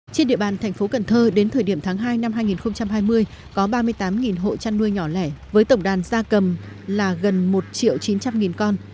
trên địa bàn thành phố cần thơ đến thời điểm tháng hai năm hai nghìn hai mươi có ba mươi tám hộ chăn nuôi nhỏ lẻ với tổng đàn gia cầm là gần một triệu chín trăm linh con